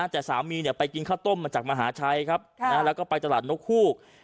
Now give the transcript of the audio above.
แต่สามีไปกินข้าวต้มมาจากมหาชัยครับแล้วก็ไปตลาดนกฮูก